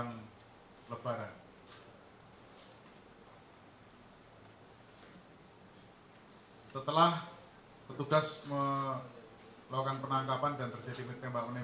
ini apakah memang terkait dengan sosok hidup yang lain lain ini